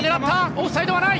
オフサイドはない。